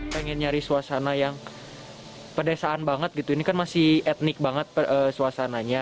saya ingin mencari suasana yang pedesaan banget ini kan masih etnik banget suasananya